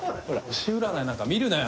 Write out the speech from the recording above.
星占いなんか見るなよ